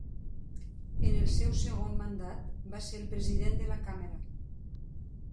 En el seu segon mandat, va ser el president de la Càmera.